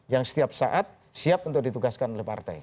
yang setiap saat siap untuk ditugaskan oleh partai